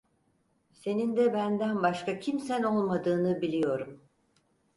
Senin de benden başka kimsen olmadığını biliyorum.